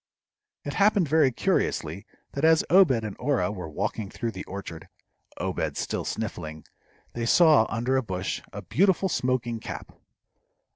It happened very curiously that as Obed and Orah were walking through the orchard, Obed still sniffling, they saw, under a bush, a beautiful smoking cap.